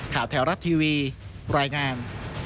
ข่าวแถวรัดทีวีรายงาน